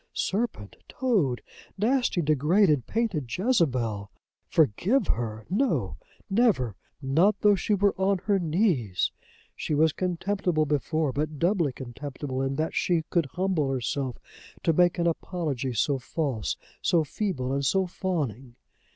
Serpent! Toad! Nasty degraded painted Jezebel! Forgive her! No, never; not though she were on her knees! She was contemptible before, but doubly contemptible in that she could humble herself to make an apology so false, so feeble, and so fawning.